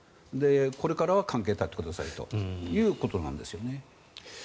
これからは関係を断ってくださいということなんですよね。